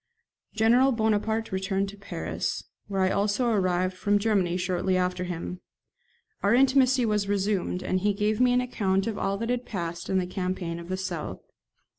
General Bonaparte returned to Paris, where I also arrived from Germany shortly after him. Our intimacy was resumed, and he gave me an account of all that had passed in the campaign of the south.